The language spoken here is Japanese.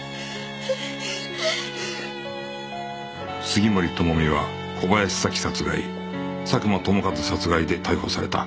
杉森知美は小林早紀殺害佐久間友和殺害で逮捕された